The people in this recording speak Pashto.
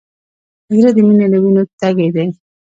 زړه د مینې له وینو تږی دی.